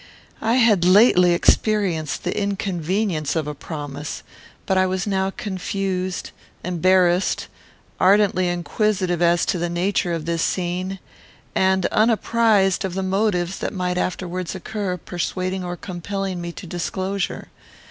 I had lately experienced the inconvenience of a promise; but I was now confused, embarrassed, ardently inquisitive as to the nature of this scene, and unapprized of the motives that might afterwards occur, persuading or compelling me to disclosure.